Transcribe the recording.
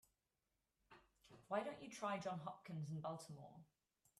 Why don't you try Johns Hopkins in Baltimore?